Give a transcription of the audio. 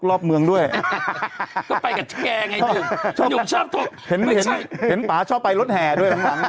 รอบเมืองด้วยก็ไปกับแทงไงชอบไม่ใช่เห็นป๊าชอบไปรถแห่ด้วย